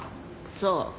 そう。